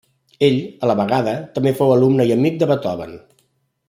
Ell, a la vegada, també fou alumne i amic de Beethoven.